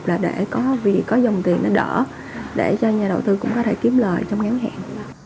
là để có vì có dòng tiền nó đỡ để cho nhà đầu tư cũng có thể kiếm lời trong ngắn hạn